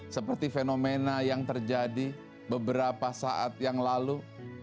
seperti fenomena yang terjadi beberapa saat yang lalu